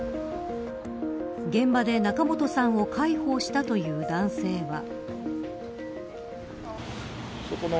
現場で仲本さんを介抱したという男性は。